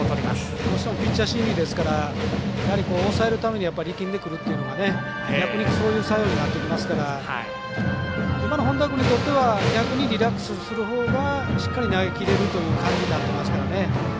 どうしてもピッチャー心理ですから抑えるってなると逆にそういう作用になってきますから今の本田君にとっては逆にリラックスするほうがしっかり投げきれる感じになりますからね。